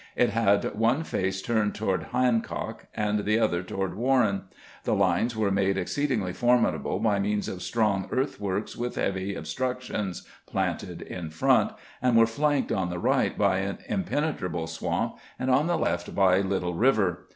It had one face turned toward Hancock, and the other toward Warren. The lines were made exceed ingly formidable by means of strong earthworks with heavy obstructions planted in front, and were flanked on the right by an impenetrable swamp, and on the left by Little River.